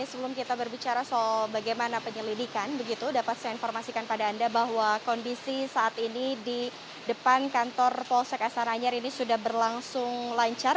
sebelum kita berbicara soal bagaimana penyelidikan begitu dapat saya informasikan pada anda bahwa kondisi saat ini di depan kantor polsek astana anyar ini sudah berlangsung lancar